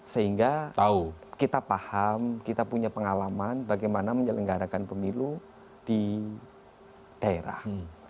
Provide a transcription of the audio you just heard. sehingga kita paham kita punya pengalaman bagaimana menyelenggarakan pemilu di daerah